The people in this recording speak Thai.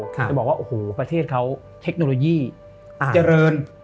จะบอกว่าโอ้โหประเทศเขาเทคโนโลยีเจริญ